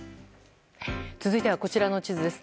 続いてはこちらの地図です。